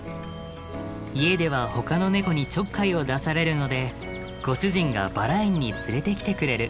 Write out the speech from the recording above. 家ではほかのネコにちょっかいを出されるのでご主人がバラ園に連れてきてくれる。